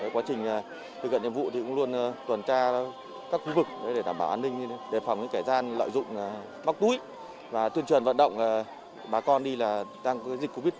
quá trình thực hiện nhiệm vụ thì cũng luôn tuần tra các khu vực để đảm bảo an ninh đề phòng những kẻ gian lợi dụng móc túi và tuyên truyền vận động bà con đi là đang có dịch covid một mươi chín